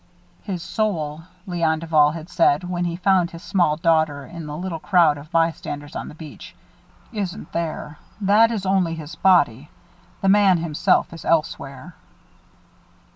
"His soul," Léon Duval had said, when he found his small daughter in the little crowd of bystanders on the beach, "isn't there. That is only his body. The man himself is elsewhere."